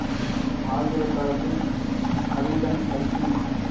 ஆகிற காலத்தில் அவிழ்தம் பலிக்கும்.